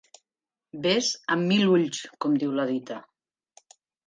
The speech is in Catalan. "Ves amb mil ulls", com diu la dita.